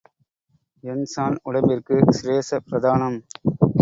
எண்சாண் உடம்பிற்குச் சிரசே பிரதானம்.